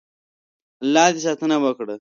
الله دې ساتنه وکړي.